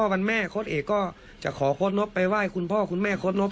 วันแม่โค้ดเอกก็จะขอโค้ดนบไปไหว้คุณพ่อคุณแม่โค้ดนบ